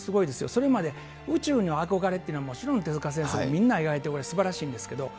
それまで宇宙への憧れって、もちろん、手塚先生もみんな描いて、すばらしいんですけれども。